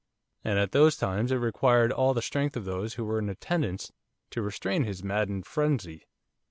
And at those times it required all the strength of those who were in attendance to restrain his maddened frenzy.